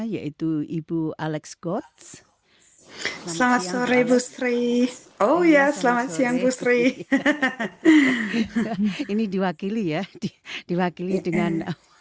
yaitu ibu alex goth selamat sore busri oh ya selamat siang busri ini diwakili ya diwakili dengan